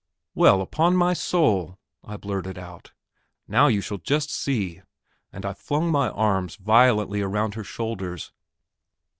"Well, upon my soul!" I blurted out, "now you shall just see," and I flung my arms violently around her shoulders.